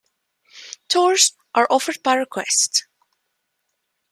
Tours are offered by request.